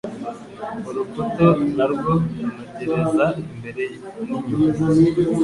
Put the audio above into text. Urukuto Narwo runogereza imbere n'inyuma,